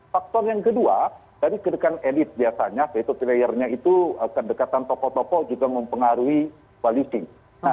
faktor yang kedua dari kedekan elit biasanya yaitu player nya itu kedekatan topo topo juga mempengaruhi kualifikasi